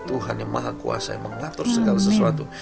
tuhan yang maha kuasa yang mengatur segala sesuatu